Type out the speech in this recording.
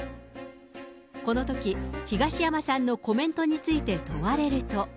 このとき、東山さんのコメントについて問われると。